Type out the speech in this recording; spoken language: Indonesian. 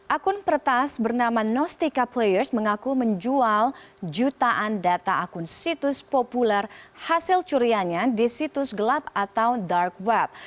akun pertas bernama nostica players mengaku menjual jutaan data akun situs populer hasil curiannya di situs gelap atau dark web